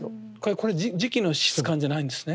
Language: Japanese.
これ磁器の質感じゃないんですね。